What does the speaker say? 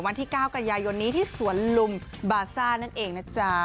วันที่๙กันยายนนี้ที่สวนลุมบาซ่านั่นเองนะจ๊ะ